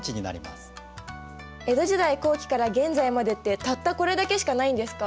江戸時代後期から現在までってたったこれだけしかないんですか？